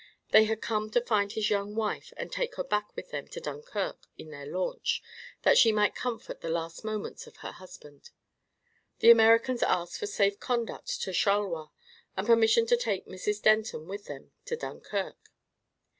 They had come to find his young wife and take her back with them to Dunkirk in their launch, that she might comfort the last moments of her husband. The Americans asked for safe conduct to Charleroi, and permission to take Mrs. Denton with them to Dunkirk.